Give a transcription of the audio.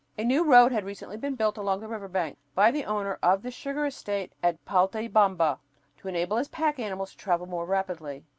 A new road had recently been built along the river bank by the owner of the sugar estate at Paltaybamba, to enable his pack animals to travel more rapidly.